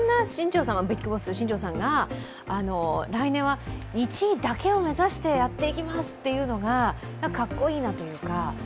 そんな新庄さんが来年は１位だけを目指してやっていきますというのがかっこいいなというか